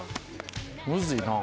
むずいな。